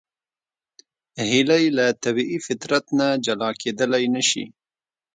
هیلۍ له طبیعي فطرت نه جلا کېدلی نشي